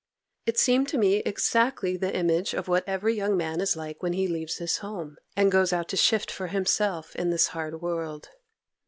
It seemed to me exactly the image of what every young man is like when he leaves his home, and goes out to shift for himself in this hard world.